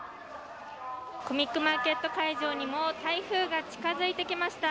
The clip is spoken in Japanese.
コミックマーケット会場にも台風が近づいてきました。